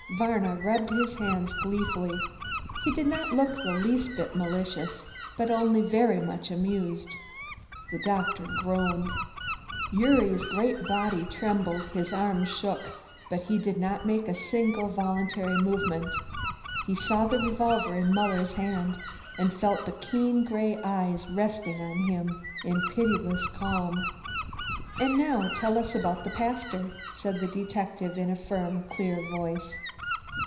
Varna rubbed his hands gleefully. He did not look the least bit malicious but only very much amused. The doctor groaned. Gyuri's great body trembled, his arms shook, but he did not make a single voluntary movement. He saw the revolver in Muller's hand and felt the keen grey eyes resting on him in pitiless calm. "And now tell us about the pastor?" said the detective in a firm clear voice.